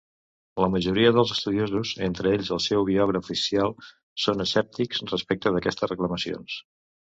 La majoria dels estudiosos, entre ells el seu biògraf oficial, són escèptics respecte d'aquestes reclamacions.